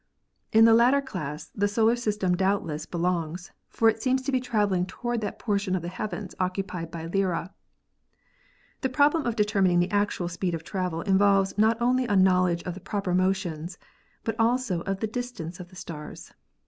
In the latter class the solar system doubtless be longs, for it seems to be traveling toward that portion of the heavens occupied by Lyra. The problem of determining the actual speed of travel involves not only a knowledge of the proper motions but also of the distance of the stars.